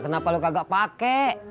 kenapa lu kagak pake